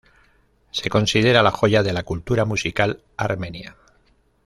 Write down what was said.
Se considera la joya de la cultura musical armenia.